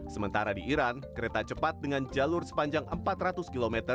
sementara di iran kereta cepat dengan jalur sepanjang empat ratus km